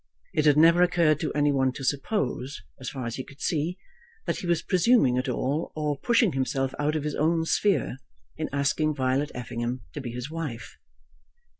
It had never occurred to any one to suppose, as far as he could see, that he was presuming at all, or pushing himself out of his own sphere, in asking Violet Effingham to be his wife.